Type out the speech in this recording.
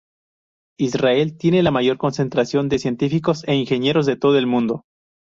Israel tiene la mayor concentración de científicos e ingenieros de todo el mundo.